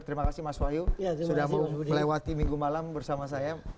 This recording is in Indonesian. terima kasih mas wahyu sudah melewati minggu malam bersama saya